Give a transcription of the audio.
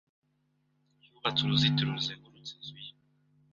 Yubatse uruzitiro ruzengurutse inzu ye.